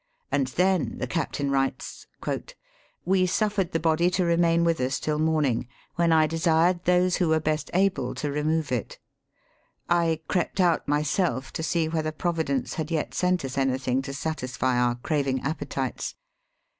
And then the captain writes :" We suffered the body to remain with us till morning, when I desired those who were best able to remove it. I crept out myself to see whether Providence had yet sent us anything to satisfy our craving appe tites.